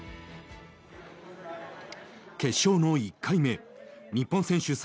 決勝の１回目日本選手